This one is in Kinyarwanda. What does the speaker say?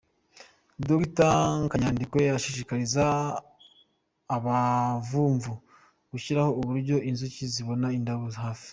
Dr Kanyandekwe ashishikariza abavumvu gushyiraho uburyo inzuki zibona indabo hafi.